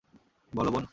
বলো, বোন।